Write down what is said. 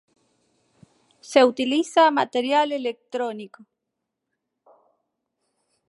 Se utiliza material electrónico.